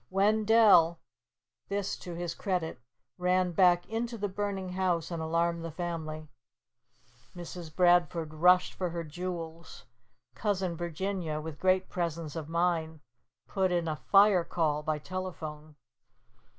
Wendell this to his credit ran back into the burning house and alarmed the family. Mrs. Bradford rushed for her jewels. Cousin Virginia, with great presence of mind, put in a fire call by telephone.